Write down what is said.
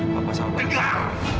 bapak sampai gak